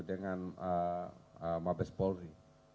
dengan mabes polri